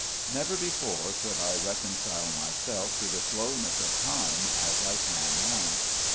Never before could I reconcile myself to the slowness of time as I can now.